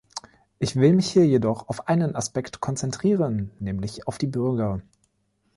Ich will mich hier jedoch auf einen Aspekt konzentrieren, nämlich auf die Bürger.